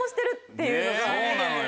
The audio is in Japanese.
そうなのよ。